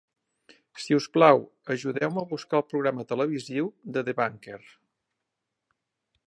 Si us plau, ajudeu-me a buscar el programa televisiu de "The Banker".